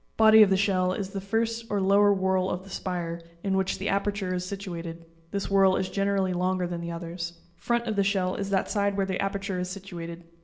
Body of the shell, is the first or lower whorl of the spire, in which the aperture is situated; this whorl is generally longer than the others ( fig. 18). Front of the shell, is that side where the aperture is situated.